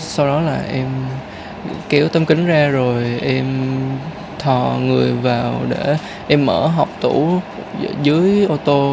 sau đó là em kéo tấm kính ra rồi em thò người vào để em mở hộp tủ dưới ô tô